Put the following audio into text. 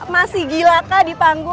masih gila kah di panggung